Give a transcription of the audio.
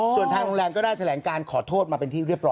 ส่วนทางโรงแรมก็ได้แถลงการขอโทษมาเป็นที่เรียบร